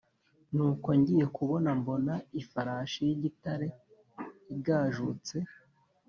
Nuko, ngiye kubona mbona ifarashi y’igitare igajutse,